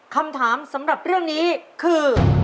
คำถามสำหรับเรื่องนี้คือ